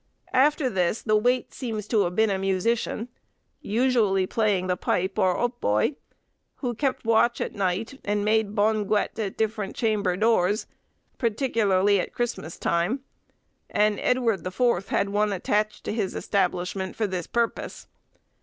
After this the wait seems to have been a musician, usually playing the pipe or hautboy, who kept watch at night, and made bon guet at the different chamber doors, particularly at Christmas time; and Edward the Fourth had one attached to his establishment for this purpose.